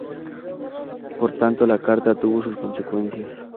Por tanto, la carta tuvo sus consecuencias.